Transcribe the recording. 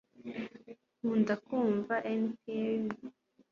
nkunda kumva npr